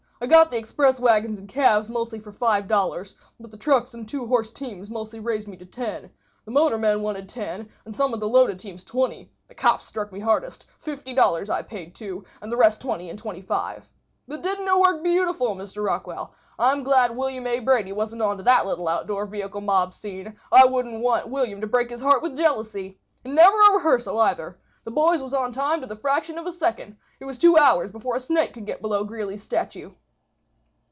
I got the express wagons and cabs mostly for $5; but the trucks and two horse teams mostly raised me to $10. The motormen wanted $10, and some of the loaded teams $20. The cops struck me hardest—$50 I paid two, and the rest $20 and $25. But didn't it work beautiful, Mr. Rockwall? I'm glad William A. Brady wasn't onto that little outdoor vehicle mob scene. I wouldn't want William to break his heart with jealousy. And never a rehearsal, either! The boys was on time to the fraction of a second. It was two hours before a snake could get below Greeley's statue."